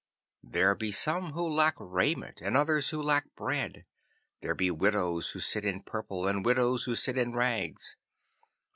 There be some who lack raiment, and others who lack bread. There be widows who sit in purple, and widows who sit in rags.